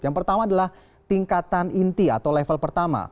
yang pertama adalah tingkatan inti atau level pertama